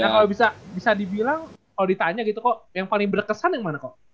nah kalau bisa dibilang kalau ditanya gitu kok yang paling berkesan yang mana kok